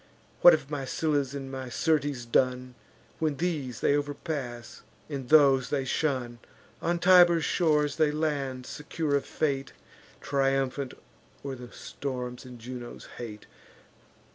What have my Scyllas and my Syrtes done, When these they overpass, and those they shun? On Tiber's shores they land, secure of fate, Triumphant o'er the storms and Juno's hate.